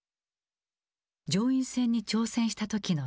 上院選に挑戦した時の映像。